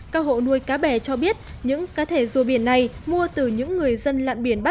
các hộ nuôi cá bè cho biết những cá thể rùa biển này mua từ những người dân lạn biển bắc